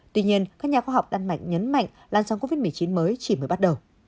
tuy nhiên các nhà khoa học đan mạch nhấn mạnh lan sóng covid một mươi chín mới chỉ mới bắt đầu